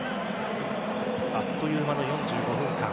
あっという間の４５分間。